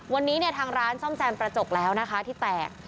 วันนี้เนี่ยทางร้านซ่อมแซมกระจกแล้วนะคะที่แตก